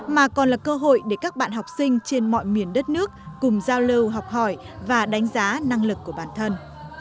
mà còn là cơ hội để các bạn học sinh trên mọi miền đất nước cùng giao lưu học hỏi và đánh giá năng lực của bản thân